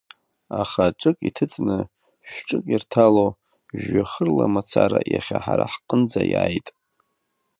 Аха ҿык иҭыҵны, шә-ҿык ирҭало, жәҩахырла мацара, иахьа ҳара ҳҟынӡа иааит.